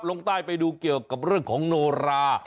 ลงใต้ไปดูเกี่ยวกับเรื่องของโนรา